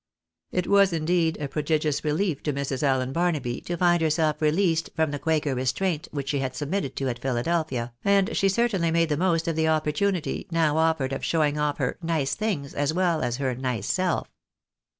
It was, indeed, a prodigious relief to Mrs. Allen Barnaby to find herself released from the Quaker restraint which she had submitted to at Philadelphia, and she certainly made the most of the opportunity now offered of showing off her " nice things," as well as her nice self.